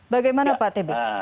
bagaimana pak tebe